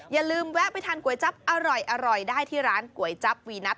อย่าลืมแวะไปทานก๋วยจั๊บอร่อยได้ที่ร้านก๋วยจั๊บวีนัท